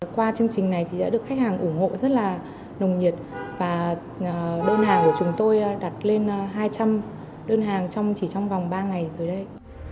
qua chương trình này thì đã được khách hàng ủng hộ rất là nồng nhiệt và đơn hàng của chúng tôi đặt lên hai trăm linh đơn hàng chỉ trong vòng ba ngày tới đây